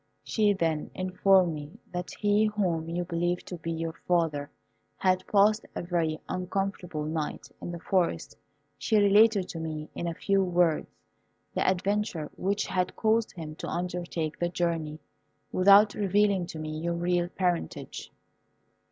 She then informed me that he whom you believed to be your father had passed a very uncomfortable night in the forest. She related to me, in a few words, the adventure which had caused him to undertake the journey, without revealing to me your real parentage.